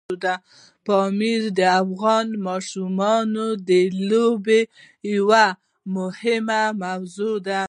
پامیر د افغان ماشومانو د لوبو یوه موضوع ده.